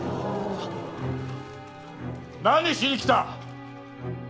何しに来た？